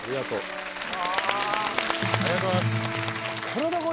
ありがとうございます。